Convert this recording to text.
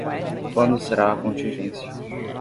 Quando será a contingência?